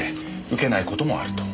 受けない事もあると。